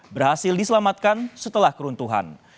berhasil diselamatkan setelah keruntuhan